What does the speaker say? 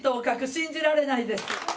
信じられないです。